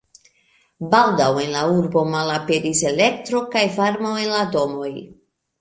Baldaŭ en la urbo malaperis elektro kaj varmo en la domoj.